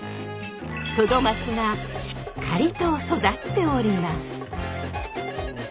トドマツがしっかりと育っております。